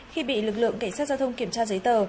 khi bị lực lượng cảnh sát giao thông kiểm tra giấy tờ